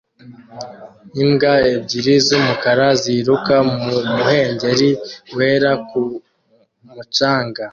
Imbwa ebyiri z'umukara ziruka mu muhengeri wera ku mucanga